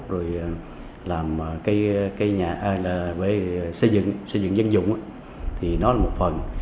xây dựng dân dụng thì nó là một phần